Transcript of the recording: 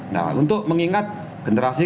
nah untuk mengingat generasi